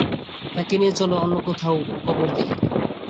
তাকে নিয়ে চলো, অন্য কোথাও কবর দিই।